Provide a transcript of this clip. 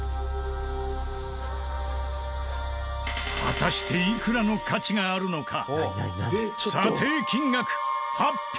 果たしていくらの価値があるのか？